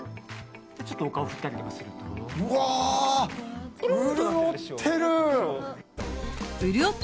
ちょっとお顔振ったりとかすると。